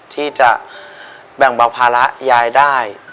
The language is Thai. ที่จะแบ่งเบาภาระยายได้